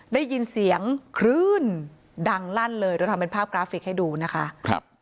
ได้ยินเสียงคลื่นดังลั่นเลยเราทำเป็นภาพกราฟิกให้ดูนะคะครับ